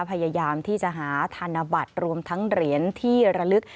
พยายามที่จะหาธนบัตรรวมทั้งเหรียญที่ระลึก